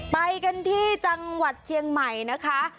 ไปกันที่จังหวัดเชียงใหม่นะคะ